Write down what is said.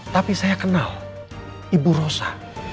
tapi saya kenal ibu rosa